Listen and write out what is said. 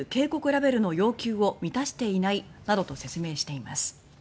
ラベルの要求を満たしていない」などと説明しています。